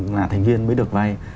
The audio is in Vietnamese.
là thành viên mới được vay